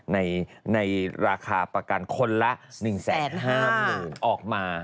ในราคาประกันคนละ๑๕๐๐๐ออกมา